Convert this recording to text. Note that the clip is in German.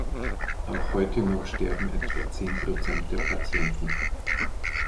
Auch heute noch sterben etwa zehn Prozent der Patienten.